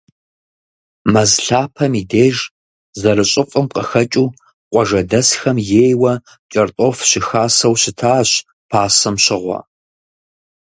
Мэз лъапэм и деж, зэрыщӏыфӏым къыхэкӏыу, къуажэдэсхэм ейуэ кӏэртӏоф щыхасэу щытащ пасэм щыгъуэ.